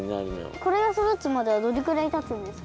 これがそだつまではどれぐらいたつんですか？